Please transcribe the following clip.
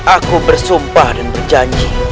aku bersumpah dan berjanji